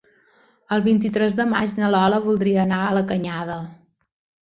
El vint-i-tres de maig na Lola voldria anar a la Canyada.